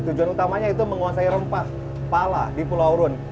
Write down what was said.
tujuan utamanya itu menguasai rempah pala di pulau rune